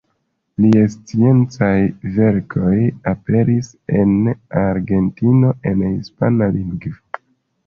Liaj sciencaj verkoj aperis en Argentino en hispana lingvo.